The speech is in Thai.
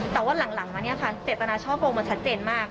แต่ว่าหลังมาเนี่ยค่ะเศรษฐนาชอบโปรโมชันเจนมาก